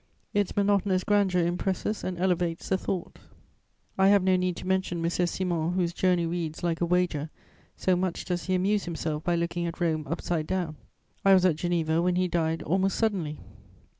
Its monotonous grandeur impresses and elevates the thought." I have no need to mention M. Simond, whose journey reads like a wager, so much does he amuse himself by looking at Rome upside down. I was at Geneva when he died almost suddenly.